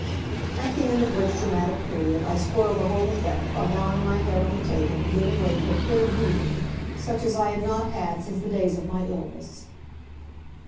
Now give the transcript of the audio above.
At the end of which dramatic period I spoiled the whole effect by bowing my head on the table and giving way to a fit of weeping such as I had not had since the days of my illness.